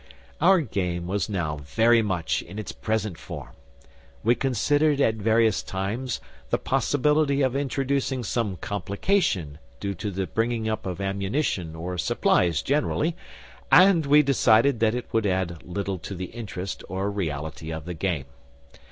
Our game was now very much in its present form. We considered at various times the possibility of introducing some complication due to the bringing up of ammunition or supplies generally, and we decided that it would add little to the interest or reality of the game.